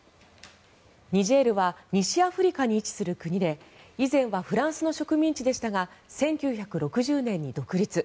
ニジェールは西アフリカに位置する国で以前はフランスの植民地でしたが１９６０年に独立。